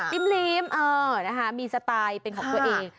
ลิ้มมีสไตล์เป็นของตัวเอง